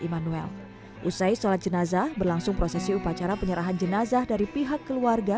immanuel usai sholat jenazah berlangsung prosesi upacara penyerahan jenazah dari pihak keluarga